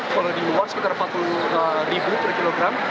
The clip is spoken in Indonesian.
kalau di luar sekitar rp empat puluh per kilogram